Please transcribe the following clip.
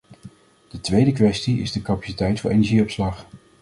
De tweede kwestie is de capaciteit voor energieopslag.